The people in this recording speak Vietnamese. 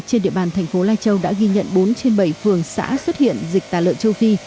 trên địa bàn tp lai châu đã ghi nhận bốn trên bảy phường xã xuất hiện dịch tài lợn châu phi